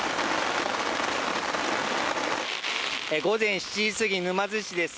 午前７時過ぎ、沼津市です。